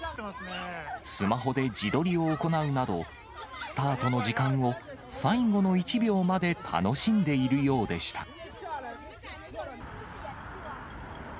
スマホで自撮りを行うなど、スタートの時間を最後の１秒まで楽しんでいるようでした。